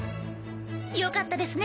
よかったですね